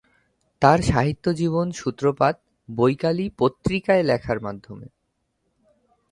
তার সাহিত্য জীবন সূত্রপাত 'বৈকালী'পত্রিকায় লেখার মাধ্যমে।